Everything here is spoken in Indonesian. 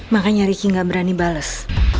makanya ricky gak berani bales